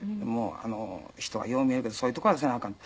人はよう見えるけどそういうとこまでせなあかん。